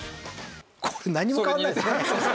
これ何も変わらないですね。